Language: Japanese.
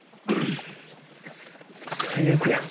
最悪やん。